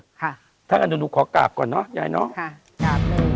ค่ะถ้างั้นหนูขอกลับก่อนเนอะยายน้องค่ะกลับเลยค่ะ